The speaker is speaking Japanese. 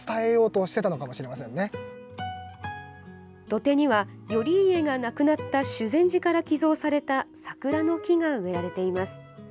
土手には頼家が亡くなった修善寺から寄贈された桜の木が植えられています。